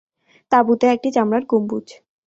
তাঁবুতে একটি চামড়ার গম্বুজ।